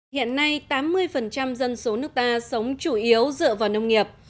hiện nay tám mươi dân số nước ta sống chủ yếu dựa vào nông nghiệp